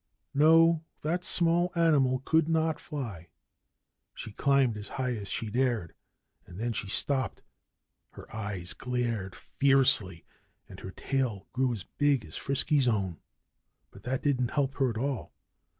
No! The small animal could not fly. She climbed as high as she dared. And then she stopped. Her eyes glared fiercely; and her tail grew as big as Frisky's own. But that didn't help her at all.